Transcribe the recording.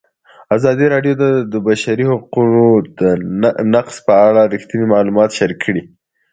ازادي راډیو د د بشري حقونو نقض په اړه رښتیني معلومات شریک کړي.